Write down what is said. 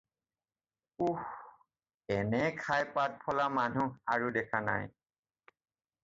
উস্! এনে খাই পাত ফলা মানুহ আৰু দেখা নাই!